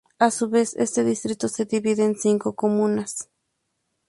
A su vez este distrito se divide en cinco comunas.